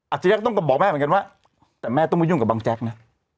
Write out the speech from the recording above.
จริงแล้วต้องกระบอกแม่เหมือนกันว่าแต่แม่ต้องมายุ่งกับบังแจ๊กนะ